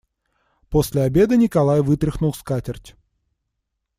После обеда Николай вытряхнул скатерть.